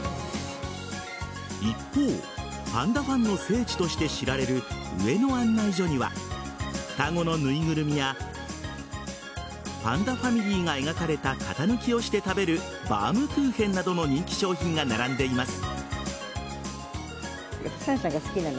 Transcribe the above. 一方、パンダファンの聖地として知られる上野案内所には双子の縫いぐるみやパンダファミリーが描かれた型抜きをして食べるバームクーヘンなどの人気商品が並んでいます。